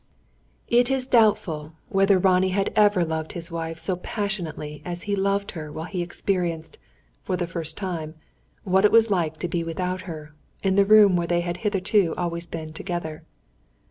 It is doubtful whether Ronnie had ever loved his wife so passionately as he loved her while he experienced, for the first time, what it was like to be without her, in the room where they had hitherto always been together.